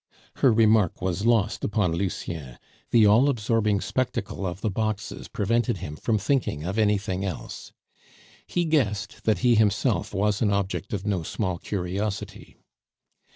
Her remark was lost upon Lucien; the all absorbing spectacle of the boxes prevented him from thinking of anything else. He guessed that he himself was an object of no small curiosity.